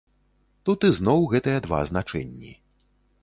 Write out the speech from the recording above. Тут ізноў гэтыя два значэнні.